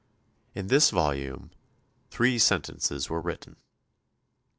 In this volume three sentences were written.